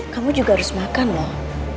kamu juga harus makan loh